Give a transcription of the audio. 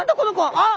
あっ！